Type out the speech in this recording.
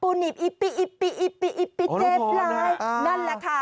ปูนิบอิปปิอิปปิอิปปิอิปปิเจ็บไหลอ่านั่นแหละค่ะ